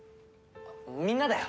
みんなだよ